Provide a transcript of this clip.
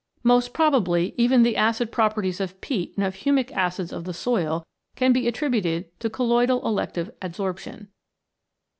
Most probably even the acid properties of peat and of Humic Acids of the soil can be attributed to colloidal elective adsorption.